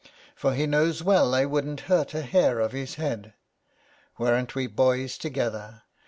For he knows well I wouldn't hurt a hair of his head. Weren't we boys together